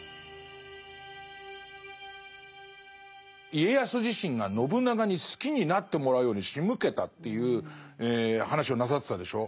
家康自身が信長に好きになってもらうようにしむけたという話をなさってたでしょう。